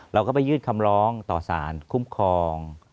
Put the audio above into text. เราก็ไปยื่นคำร้องต่อสารคุ้มครอง